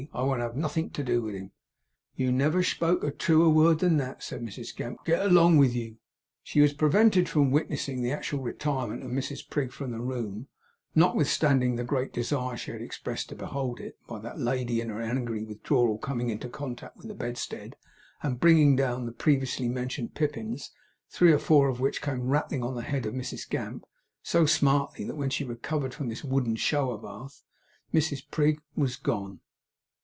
I won't have nothink to do with him.' 'You never spoke a truer word than that!' said Mrs Gamp. 'Go along with you!' She was prevented from witnessing the actual retirement of Mrs Prig from the room, notwithstanding the great desire she had expressed to behold it, by that lady, in her angry withdrawal, coming into contact with the bedstead, and bringing down the previously mentioned pippins; three or four of which came rattling on the head of Mrs Gamp so smartly, that when she recovered from this wooden shower bath, Mrs Prig was gone.